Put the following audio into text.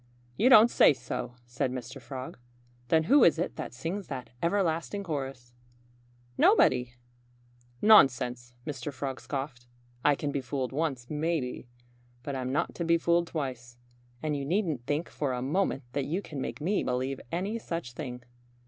"You don't say so!" said Mr. Frog. "Then who is it that sings that everlasting chorus?" "Nobody!" "Nonsense!" Mr. Frog scoffed. "I can be fooled once, maybe. But I'm not to be fooled twice. And you needn't think for a moment that you can make me believe any such thing."